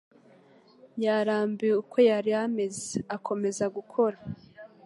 Yarambiwe uko yari ameze, akomeza gukora.